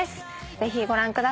ぜひご覧ください。